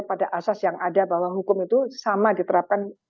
pada asas yang ada bahwa hukum itu sama diterapkan